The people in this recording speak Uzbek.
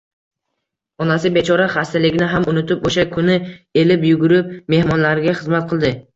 Onasi bechora xastaligini ham unutib, o`sha kuni elib-yugurib mehmonlarga xizmat qildi